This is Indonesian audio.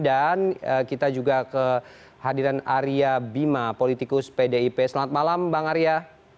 dan kita juga ke hadiran arya bima politikus pdip selamat malam bang arya